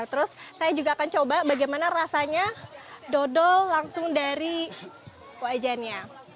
terus saya juga akan coba bagaimana rasanya dodol langsung dari wajannya